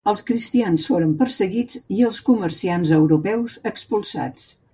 Els cristians foren perseguits i els comerciants europeus expulsats.